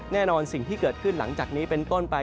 แน่นอนสิ่งที่เกิดขึ้นหลังจากนี้เป็นต้นไป